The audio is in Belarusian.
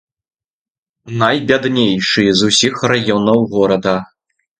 Найбяднейшы з усіх раёнаў горада.